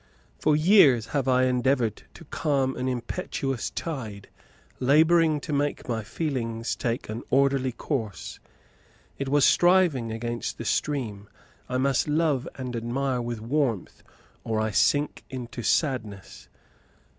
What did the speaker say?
For years have I endeavoured to calm an impetuous tide, labouring to make my feelings take an orderly course. It was striving against the stream. I must love and admire with warmth, or I sink into sadness.